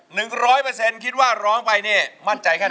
หนึ่งร้อยเปอร์เซ็นต์คิดว่าร้องไปเนี่ยมั่นใจคะนะ